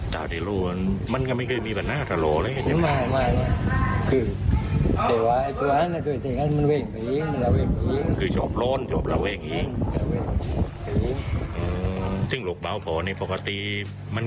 ปกติมันก็ไม่เคยฮาดเหลืองแร่ใช่ไหม